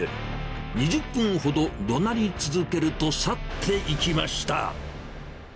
２０分ほどどなり続けると、去っていきました。